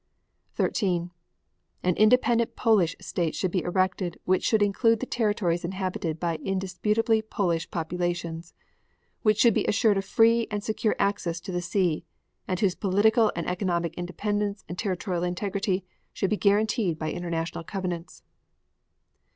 13. An independent Polish State should be erected which should include the territories inhabited by indisputably Polish populations, which should be assured a free and secure access to the sea, and whose political and economic independence and territorial integrity should be guaranteed by international covenants.